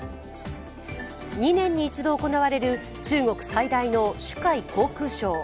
２年に一度行われる中国最大の珠海航空ショー。